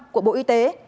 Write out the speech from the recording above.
của bộ y tế